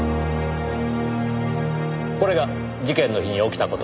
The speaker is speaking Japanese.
これが事件の日に起きた事の全てです。